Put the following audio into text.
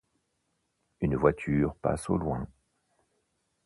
Une voiture passe au loin.